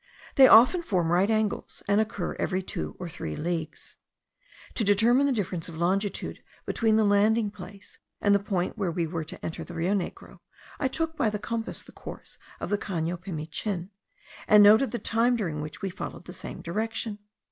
They often form right angles, and occur every two or three leagues. To determine the difference of longitude between the landing place and the point where we were to enter the Rio Negro, I took by the compass the course of the Cano Pimichin, and noted the time during which we followed the same direction.